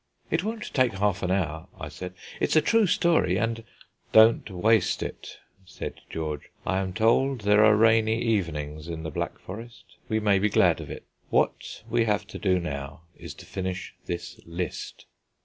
"It won't take half an hour," I said; "it's a true story, and " "Don't waste it," said George: "I am told there are rainy evenings in the Black Forest; we may be glad of it. What we have to do now is to finish this list."